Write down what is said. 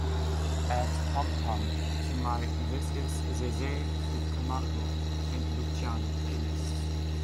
add pump-pump to my this is zezé di camargo & luciano playlist